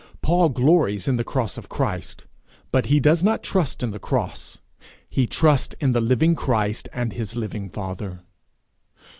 Paul glories in the cross of Christ, but he does not trust in the cross: he trusts in the living Christ and his living father.